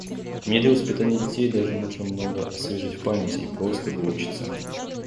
Мне для воспитания детей даже нужно много освежить в памяти и просто выучиться.